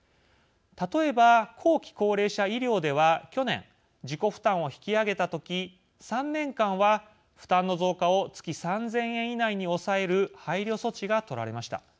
例えば後期高齢者医療では去年自己負担を引き上げた時３年間は負担の増加を月３，０００円以内に抑える配慮措置が取られました。